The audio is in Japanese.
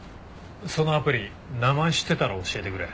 そのアプリ名前知ってたら教えてくれ。